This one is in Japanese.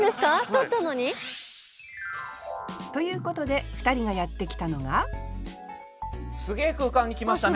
とったのに？ということで２人がやって来たのがすげえ空間に来ましたね。